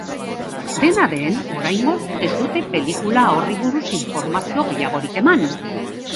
Dena den, oraingoz ez dute pelikula horri buruzko informazio gehiagorik eman.